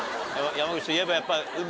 山口と言えばやっぱ海。